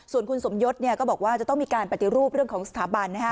ส่วนคุณสมยศก็บอกว่าจะต้องมีการปฏิรูปเรื่องของสถาบันนะฮะ